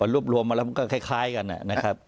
รวบรวมมาแล้วมันก็คล้ายกันนะครับ